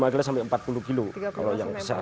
lima kilo sampai empat puluh kilo kalau yang besar